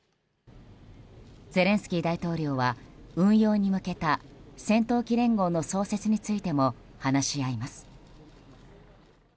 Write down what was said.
ゼレンスキー大統領は運用に向けた戦闘機連合の創設についても話し合います。